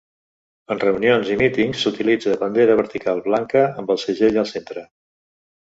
En reunions i mítings s'utilitza bandera vertical blanca amb el segell al centre.